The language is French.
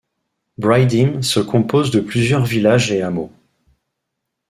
Bridhim se compose de plusieurs villages et hameaux.